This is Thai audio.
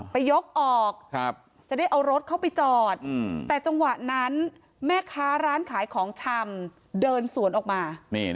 ยกออกจะได้เอารถเข้าไปจอดแต่จังหวะนั้นแม่ค้าร้านขายของชำเดินสวนออกมา